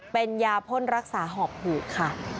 เป็นยาพ่นรักษาหอบหืดค่ะ